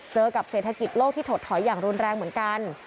เจอกับเศรษฐกิจโลกที่ถดถอยอย่างรุนแรงเหมือนกัน